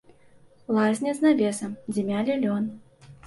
Лазня з навесам, дзе мялі лён.